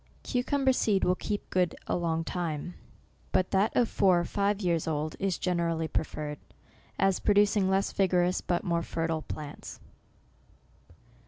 Cucumber seed will keep good a long time ; but that of four or five years old is generally preferred, as producing less vigor ous, but more fertile plants.